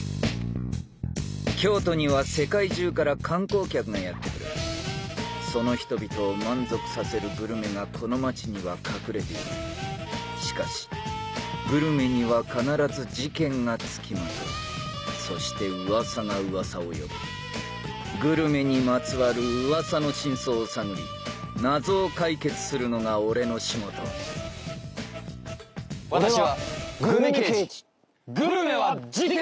京都には世界中から観光客がやって来るその人々を満足させるグルメがこの町には隠れているしかしグルメには必ず事件が付きまとうそしてウワサがウワサを呼ぶグルメにまつわるウワサの真相を探り謎を解決するのが俺の仕事俺はグルメ刑事